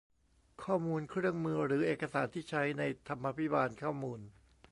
ข้อมูล เครื่องมือ หรือเอกสารที่ใช้ในธรรมาภิบาลข้อมูล